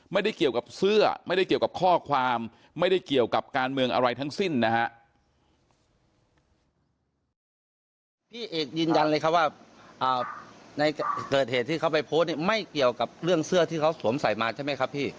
เกี่ยวกับเสื้อไม่ได้เกี่ยวกับข้อความไม่ได้เกี่ยวกับการเมืองอะไรทั้งสิ้นนะฮะ